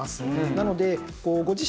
なのでご自身で。